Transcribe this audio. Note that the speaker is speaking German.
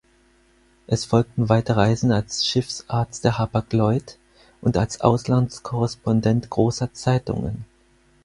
Es folgten weite Reisen als Schiffsarzt der Hapag-Lloyd und als Auslandskorrespondent großer Zeitungen.